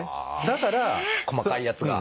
だから細かいやつが。